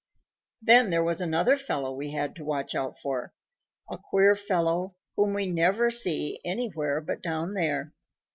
"Then there was another fellow we had to watch out for, a queer fellow whom we never see anywhere but down there.